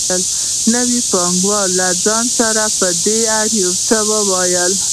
نو پانګوال له ځان سره په دې اړه یو څه وايي